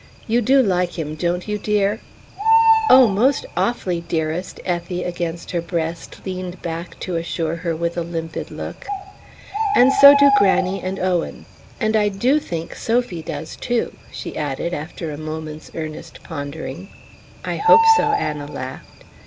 "You do like him, don't you, dear?" "Oh, most awfully, dearest," Effie, against her breast, leaned back to assure her with a limpid look. "And so do Granny and Owen and I DO think Sophy does too," she added, after a moment's earnest pondering. "I hope so," Anna laughed.